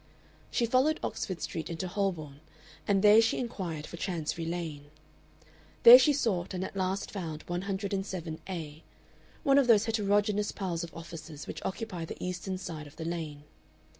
She followed Oxford Street into Holborn, and then she inquired for Chancery Lane. There she sought and at last found 107A, one of those heterogeneous piles of offices which occupy the eastern side of the lane.